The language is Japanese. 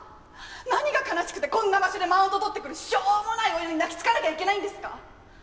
何が悲しくてこんな場所でマウント取ってくるしょうもない親に泣きつかなきゃいけないんですか？